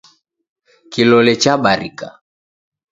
Kilole chabarika.